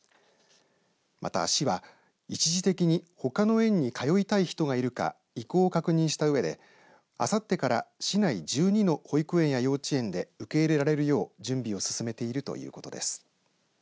また市は一時的にほかの園に通いたい人がいるか意向を確認したうえであさってから市内１２の保育園や幼稚園で受け入れられるよう準備を進めているということです。